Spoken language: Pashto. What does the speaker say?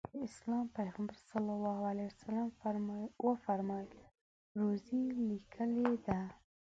د اسلام پیغمبر ص وفرمایل روزي لیکلې ده.